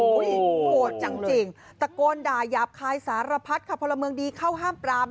โหดจริงตะโกนด่ายาบคายสารพัดค่ะพลเมืองดีเข้าห้ามปราม